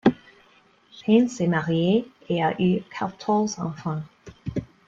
Payne s'est marié et a eu quatorze enfants.